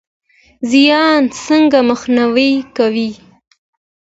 زیان څنګه مخنیوی کړو؟